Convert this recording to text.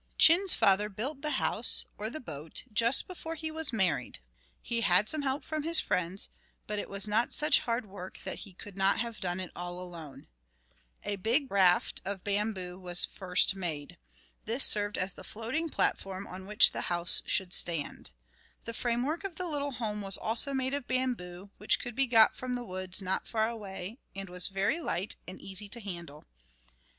Chin's father built the house, or the boat, just before he was married. He had some help from his friends, but it was not such hard work that he could not have done it all alone. A big raft of bamboo was first made. This served as the floating platform on which the house should stand. The framework of the little home was also made of bamboo, which could be got from the woods not far away, and was very light and easy to handle.